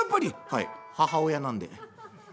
「はい母親なんで」。